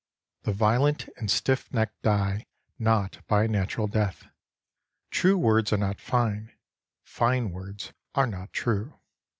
The violent and stiff necked die not by a natural death. True words are not fine ; fine words are not true.